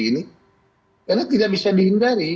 ini karena tidak bisa dihindari